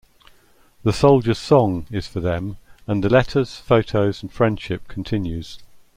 'The Soldier's Song' is for them and the letters, photos and friendship continues.